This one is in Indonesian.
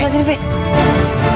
masuklah sini v